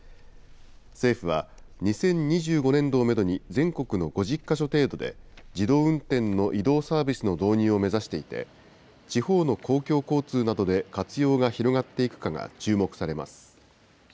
政府は、２０２５年度をメドに、全国の５０か所程度で、自動運転の移動サービスの導入を目指していて、地方の公共交通などで活用が広がっていくかが注目されます。